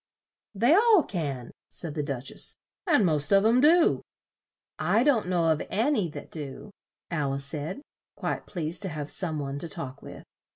"They all can," said the Duch ess; "and most of 'em do." "I don't know of an y that do," Al ice said, quite pleased to have some one to talk with.